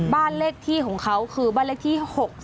บ้านเลขที่ของเขาคือบ้านเลขที่๖๒